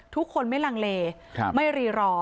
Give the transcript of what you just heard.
ทุกคนไม่ลังเลไม่รีรอ